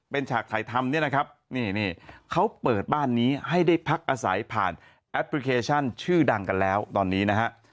เป็นฉากถ่ายทำเนี่ยนะครับนี่เขาเปิดบ้านนี้ให้ได้พักอาศัยผ่านแอปพลิเคชันชื่อดังกันแล้วตอนนี้นะฮะ